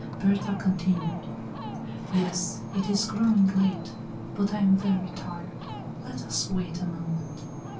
Berta continued: "Yes, it is growing late. But I am very tired. Let us wait a moment."